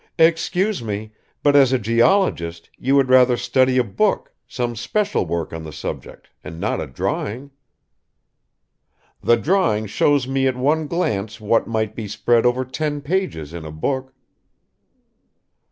"Excuse me; but as a geologist, you would rather study a book, some special work on the subject and not a drawing." "The drawing shows me at one glance what might be spread over ten pages in a book."